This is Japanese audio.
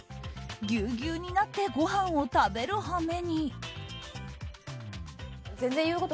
ぎゅうぎゅうになってごはんを食べる羽目に。